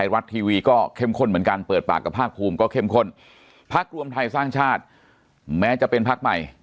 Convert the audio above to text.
ไม่เลือกใครตั้งท่าทั้ง๒บัตรก็จบ